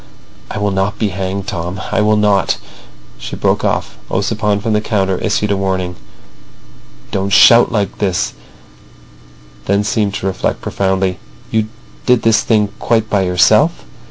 "I will not be hanged, Tom. I will not—" She broke off. Ossipon from the counter issued a warning: "Don't shout like this," then seemed to reflect profoundly. "You did this thing quite by yourself?"